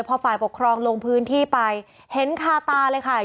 พอฝ่ายปกครองลงพื้นที่ไปเห็นคาตาเลยค่ะ